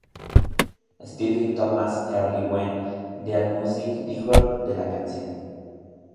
Stephen Thomas Erlewine de Allmusic dijo de la canción